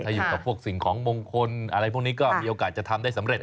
ถ้าอยู่กับพวกสิ่งของมงคลอะไรพวกนี้ก็มีโอกาสจะทำได้สำเร็จ